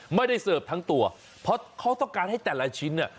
ไม่ได้เสิร์ฟทั้งตัวเพราะเขาต้องการให้แต่ละชิ้น